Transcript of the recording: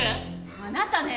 あなたね！